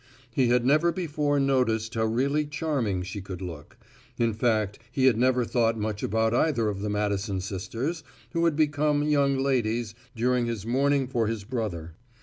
He had never before noticed how really charming she could look; in fact he had never thought much about either of the Madison sisters, who had become "young ladies" during his mourning for his brother.